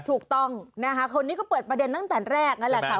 ถูกต้องนะคะคนนี้ก็เปิดประเด็นตั้งแต่แรกนั่นแหละค่ะ